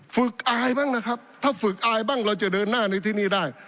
อายบ้างนะครับถ้าฝึกอายบ้างเราจะเดินหน้าในที่นี่ได้